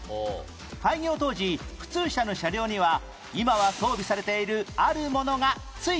開業当時普通車の車両には今は装備されているあるものがついていませんでした